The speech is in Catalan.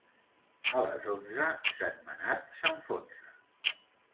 A les onze, Sentmenat s'enfonsa.